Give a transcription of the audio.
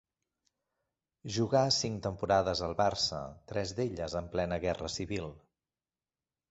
Jugà cinc temporades al Barça, tres d'elles en plena Guerra Civil.